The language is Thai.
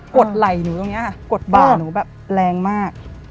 ดไหล่หนูตรงนี้ค่ะกดบ่าหนูแบบแรงมาก